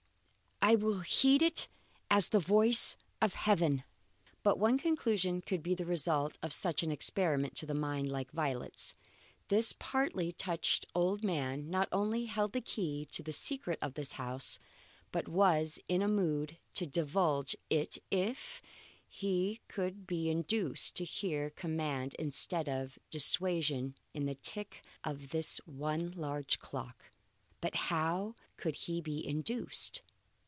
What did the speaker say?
I will heed it as the voice of Heaven." But one conclusion could be the result of such an experiment to a mind like Violet's. This partly touched old man not only held the key to the secret of this house, but was in a mood to divulge it if once he could be induced to hear command instead of dissuasion in the tick of this one large clock. But how could he be induced?